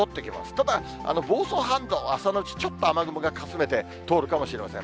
ただ、房総半島、朝のうちちょっと雨雲がかすめて通るかもしれません。